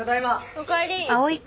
おかえり。